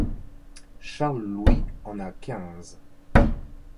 Charles-Louis en a quinze.